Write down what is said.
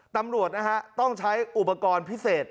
ตำรวจนะฮะต้องใช้อุปกรณ์พิเศษ